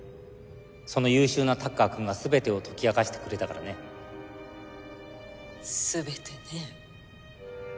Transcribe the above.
その優秀なタッカー君が全てを解き明かしてくれたからね全てねえ